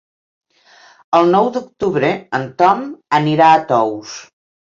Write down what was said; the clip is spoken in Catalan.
El nou d'octubre en Tom anirà a Tous.